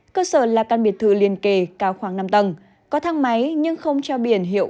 cơ sở là căn biệt thư liên kề cao khoảng năm tầng có thang máy nhưng không trao biển hiệu